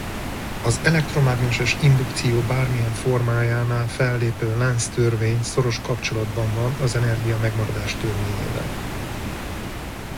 Az elektromágneses indukció bármely formájánál fellépő Lenz-törvény szoros kapcsolatban van az energiamegmaradás törvényével.